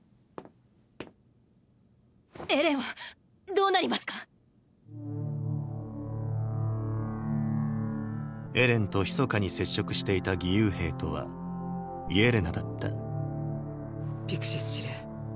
エレンはどうなりますか⁉エレンとひそかに接触していた義勇兵とはイェレナだったピクシス司令